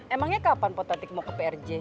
emangnya kapan potentik mau ke prj